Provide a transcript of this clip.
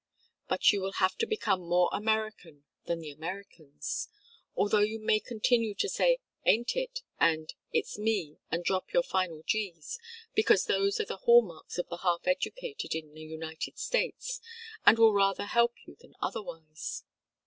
But you will have to become more American than the Americans; although you may continue to say 'ain't it' and 'it's me' and drop your final gs, because those are all the hall marks of the half educated in the United States, and will rather help you than otherwise.